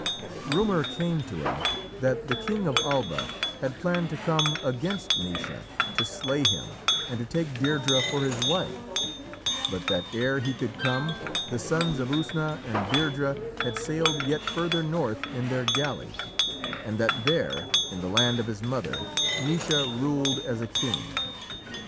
Rumour came to him that the king of Alba had planned to come against Naoise, to slay him, and to take Deirdrê for his wife, but that ere he could come the Sons of Usna and Deirdrê had sailed yet further north in their galley, and that there, in the land of his mother, Naoise ruled as a king.